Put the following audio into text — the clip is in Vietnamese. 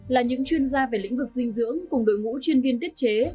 là những chuyên gia về lĩnh vực dinh dưỡng cùng đội ngũ chuyên viên tiết chế